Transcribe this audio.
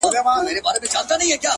• راته ښكلا راوړي او ساه راكړي،